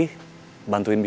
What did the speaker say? untuk membangun diri